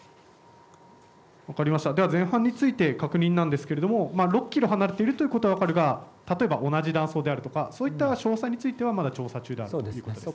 分かりました、では前半について確認なんですけれど６キロ離れているということは例えば同じ断層であるとか詳細についてはまだ調査中だということですか。